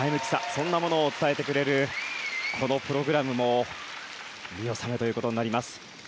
そんなものを伝えてくれるこのプログラムも見納めということになります。